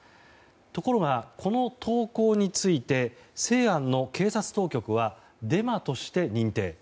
ところが、この投稿について西安の警察当局はデマとして認定。